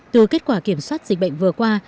từ kết quả kiểm soát dịch bệnh vừa qua